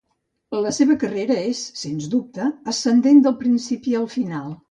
La seva carrera és, sens dubte, ascendent, del principi al final.